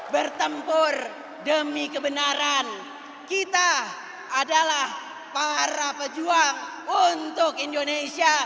bertempur demi kebenaran kita adalah para pejuang untuk indonesia